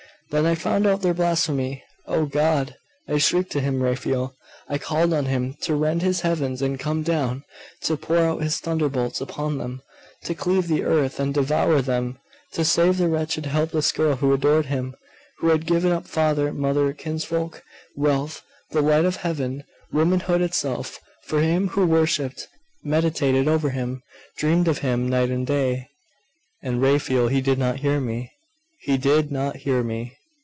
Then I found out their blasphemy.... Oh God! I shrieked to Him, Raphael! I called on Him to rend His heavens and come down to pour out His thunderbolts upon them to cleave the earth and devour them to save the wretched helpless girl who adored Him, who had given up father, mother, kinsfolk, wealth, the light of heaven, womanhood itself, for Him who worshipped, meditated over Him, dreamed of Him night and day .... And, Raphael, He did not hear me.... He did not hear me!